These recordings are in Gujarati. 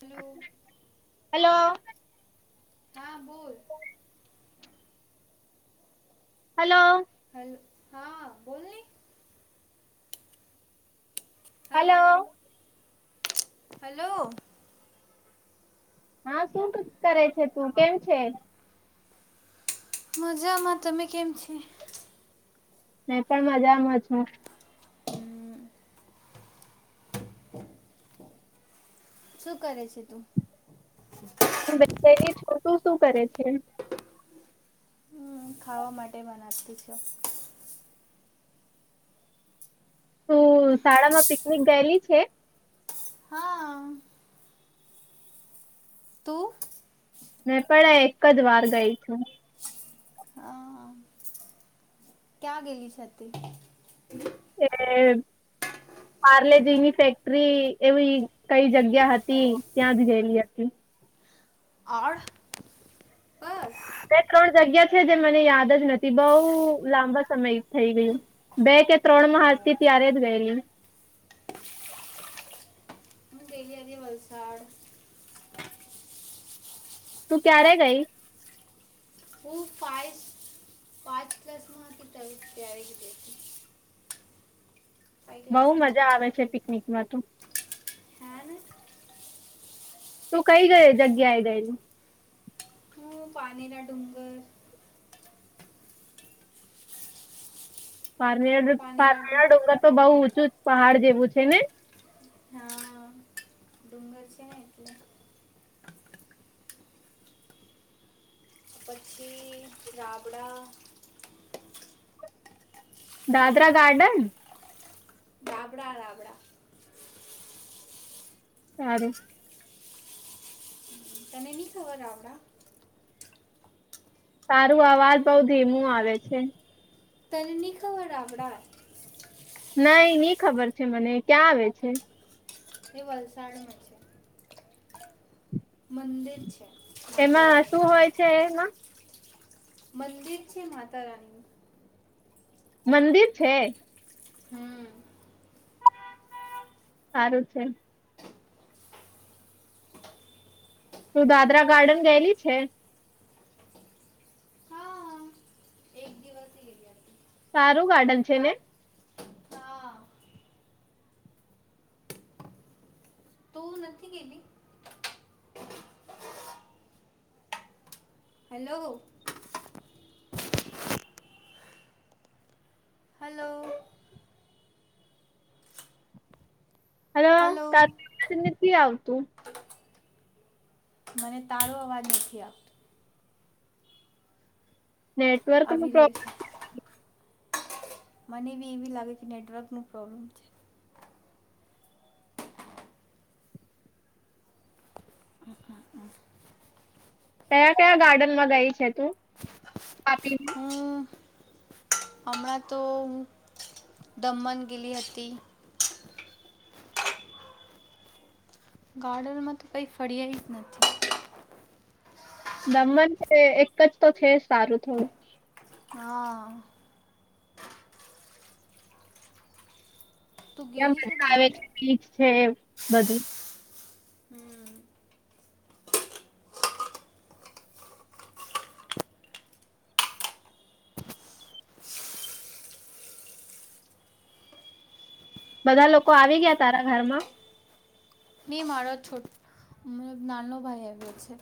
Hello hello. હા બોલ. હલો. હેલો હા બોલને. હલો. હલો. હા શું કરે છે તું કેમ છે. મજામાં તમે કેમ છ. મે પણ મજામાં છું. હમ્મ શું કરે છે તું. હુ બેટે લી છું તુ શું કરે છે. હ ખાવા માટે બનાવ તી છુ તું શાળા માં પિકનિક ગયેલી છે. હા. તું મેં પણ એક જ વાર ગઈ છું. હા ક્યાં ગેલી છતી? એ પાર્લેજીની ફેક્ટરી એવી કઈ જગ્યા હતી ત્યાં જ ગયેલી હતી. [unintelligible] બસ બે ત્રણ જગ્યા છે જે મને યાદ જ નથી બઉુ લાંબા સમય થઈ ગયું બે કે ત્રણ માં હજ થી ત્યારે જ ગયલી. [unintelligible] અને વલસાડ તું ક્યારે ગઈ? હું ફાઇવ પાંચ [unintelligible] ત્યારે ગઈ ફઇ બહુ ક્લામાં મજા હતી આવે ત્યારે છે પિકનિકમાં તો ગઇ. તો કઈ ગ જગ્યા ગયેલી. હું પાણી ના ડુંગર. પાનેરા ડુંગર પાનેરા ડુંગર તો બઉ પહાડ જેવું છે ને. હા ડુંગર છે ને એટલે. પછી રાબડા. દાદરા ગાર્ડન. રાબડા રાબડા. સારૂ. તને ની ખબર રાબડા. તારું અવાજ બઉ ધીમું આવે છે. તની ખબર રાબડા. નઈ ની ખબર છે મને ક્યાં આવે છે? એ વલસાડ મા છે. મંદિર છે માતા એમાં રાણી શું નું. હોય છે એમાં મંદિર છે માતારણી. મંદિર છે? હમ્મ. સારું છે. તું દાદરા ગાર્ડન ગયેલી છે. હા એક દિવસ ગયેલી હતી સારું ગાર્ડન છે ને? હા હું નથી ગેલી. હેલો. હલો. હલો [unintelligible] [unintelligible] આવતું. મને તારો અવાજ નથી આપતો. નેટવર્ક ન આવી રહ્યો પ્રોબ્લેમ છે મને બી એવી લાગે કે નેટવર્ક નું પ્રોબ્લેમ છે. કયા કયા ગાર્ડનમાં ગઈ છે તું? હું હમણાં તો હું દમણ ગેલી હતી. ગાર્ડનમાં તો કઈ ફરિયાય જ નથી. દમન કે એક જ તો છે જ સારું થોડું. હા. તું ત્યા ગયેલી મજા આવે દમણ છે, બીચ છે. બધી બધા લોકો આવી ગયા તારા ઘરમાં. નહી મારો છોટ નાનો ભાઈ આવ્યો છે.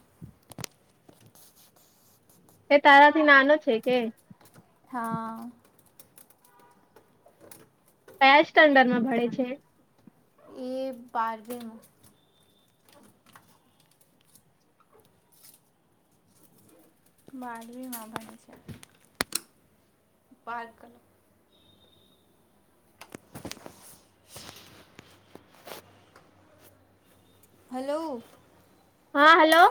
એ તારાથી નાનો છે, કે હા કયા સ્ટન્ડર્માં [unintelligible] છે. [unintelligible] [inaudible] હલો હા હલો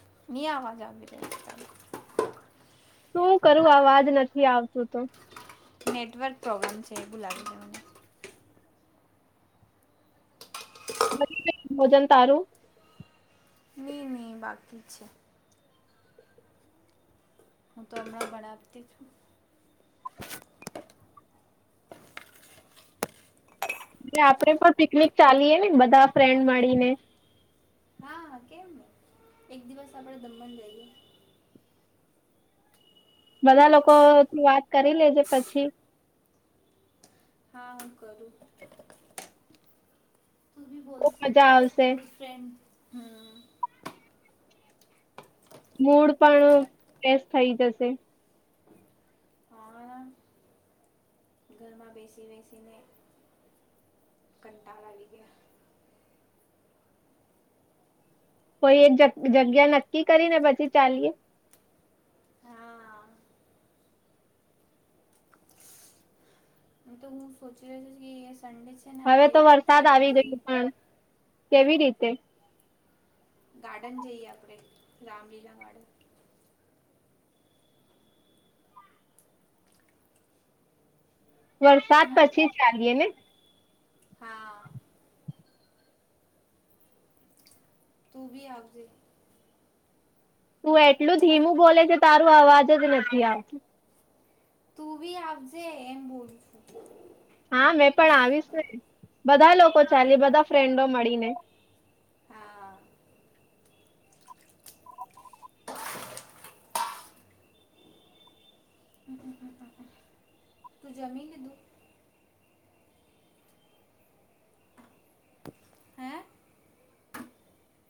[inaudible] શું કરું [unintelligible] નેટવર્ક પ્રોબ્લેમ છે, એ બોલાબ છે, ને ભોજન તારું નહીં બાકી છે. હું તો એમને બણવતી છું. આપે પણ પિકનિક ચાલીય ને બધા ફ્રેન્ડ મળીને. હા કેમ નહીં એક દિવસ આપણેે દમણ જઈએ. બધા લોકોથી વાત કરી લેજે પછી હા કરું ખુબ મજા આવશે [unintelligible] ફ્રેન્ડ [inaudible] મૂડ પણ ફેશ થઈ જશે. હા [inaudible] કોઈ એક જ જગ્યા નક્કી કરી ને પછી ચાલીએ. હા એ તો હું સોચી રહી [unintelligible] સન્ડે છે, ને હવે આપણે તો વરસાદ ગાર્ડન આવી જઈએ. ગયું પણ કેવી રીતે. ગાર્ડન જઈએ આપણેે રામલીલા [unintelligible] વરસાદ હમ પછી ચાલીએ ને. હા તું બી [unintelligible] તું એટલું ધીમું બોલે છે, તારું અવાજ જ નથી આવતું. તું બી આવજે એમ બોલ છું. હા મેં પણ આવીશ ને બધા લોકો હા ચાલી બધા ફ્રેન્ડો મળીને. હા તું જમી લીધું. હે.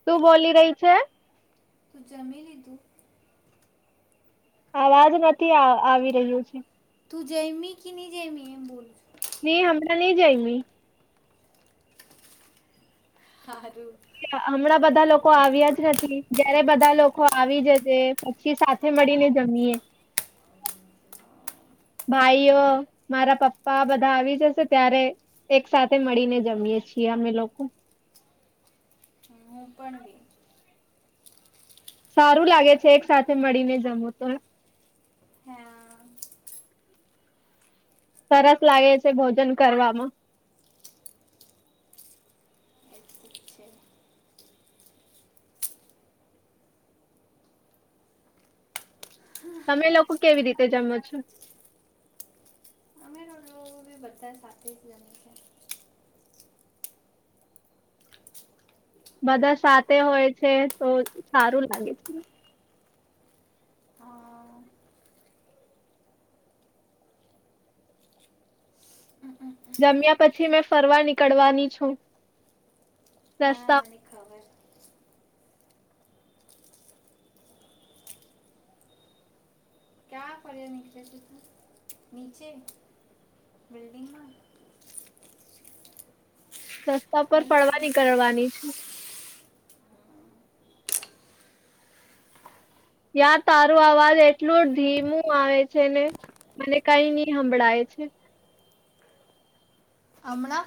શું બોલી રહી છે. તું જમી લીધું. અવાજ નથી આવી રહ્યો છે. તું જઈમી [unintelligible] જઈમી એમ બોલ [unintelligible] [unintelligible] હમણા નહી જાયમી. [inaudible] હમણાં બધા લોકો આવ્યા જ નથી જયારે બધા લોકો આવી જશે પછી સાથે મળીને જમીએ ભાઈઓ મારા પપ્પા બધા આવી જશે ત્યારે એક [unintelligible] મળીને જમીય છીએ અમે લોકો. પણવી સારું લાગે છે એક સાથે મળીને જમો તો હા સરસ લાગે છે ભોજન કરવામાં એટલું જ છે તમે લોકો કેવી રીતે જમો છો અમે બધા સાથે જ જમિયે છે બધા સાથે હોય છે તો સારું લાગે છે હા જમ્યા પછી મેં ફરવા નીકળવાની છું હા રસ્તા મને ખબર ક્યા ફ્યો નીકળેું નીચે બિલ્ડિંગમાં રસ્તા પર હેલો ફરવાની નિકળવાની છું યા તારો અવાજ એટલોું ધીમું આવે છે ને મને કઈ નહી સંભળાય છે અમણા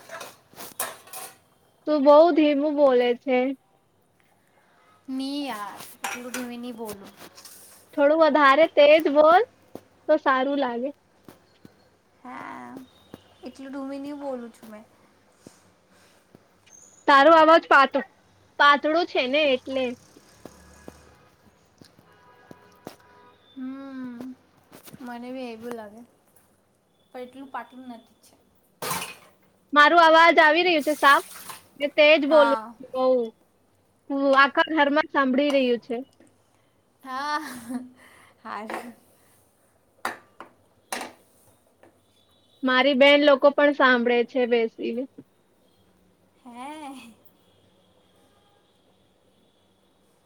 તું બઉુ ધીમું બોલે છે મી યાર ત ધની બોલું થોડું વધારે તેજ બોલ તો સારું લાગે હા એટલું ડૂમી ન બોલું છું મેં તારો અવાજ પાતો પાતળો છે ને એટલે હમ મને બી એવું લાગે પણ એટલું પાટલું નથી છે મારું અવાજ આવી રહ્યું છે સાફ તેજ બોલવું હા બઉ આખ હર માં સાંભળી રહ્યું છે હા હા મારી બેન લોકો પણ સાંભળે છે બેસી ને હે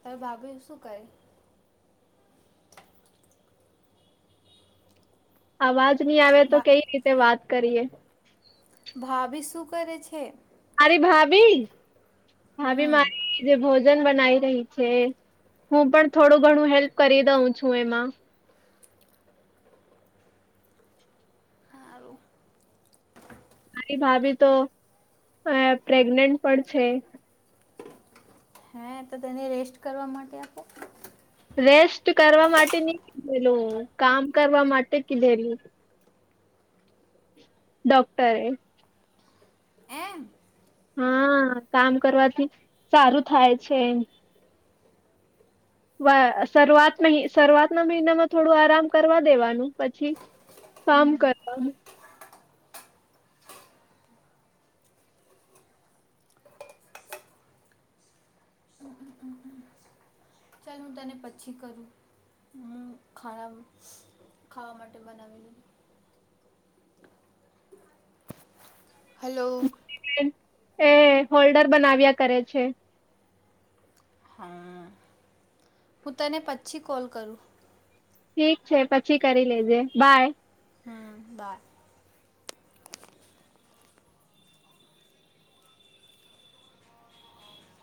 તાર ભાભી શું કરે આવાજ ની આવે તો ભા કઈ રીતે વાત કરીએ. ભાાભી શું કરે છે? મારી ભાભી ભાભી હમ મારી જે ભોજ બનાઈ રહી છે. હું પણ થોડું ઘણું હેલ્પ કરી દઉં છું એમાં. સારું મારી ભાભી તો પ્રેગ્નેન્ટ પણ છે. હે તો તેને રેસ્ટ કરવા માટે આપો રેસ્ટ કરવા માટે નું કીધેલું કામ કરવા માટે કીધેલું. ડોક્ટરે એમ હા કામ કરવાથી સારું થાય છે. વા શરૂઆત શરૂઆત ના મહિનામાં થોડું આરામ કરવા દેવાનું પછી કામ કરવાનું. ચાલ હું તને પછી કરું હું ખા ખાવા માટે બનાવી લ હલો એ હોલ્ડર બનાવ્યા કરે છે. હા. હું તને પછી કોલ કરું. ઠીક છે પછી કરી લેજે બાય. હમ્મ બાય